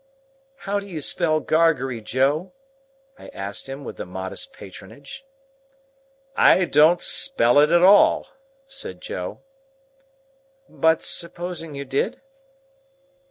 "How do you spell Gargery, Joe?" I asked him, with a modest patronage. "I don't spell it at all," said Joe. "But supposing you did?"